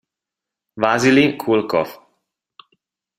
Vasilij Kul'kov